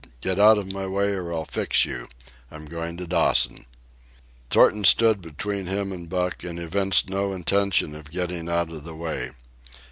"Get out of my way, or I'll fix you. I'm going to Dawson." Thornton stood between him and Buck, and evinced no intention of getting out of the way.